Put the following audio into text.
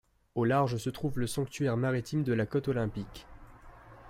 Au large se trouve le sanctuaire maritime de la côte olympique.